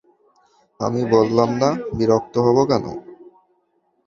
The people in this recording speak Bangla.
আমি বললাম, না, বিরক্ত হব কেন?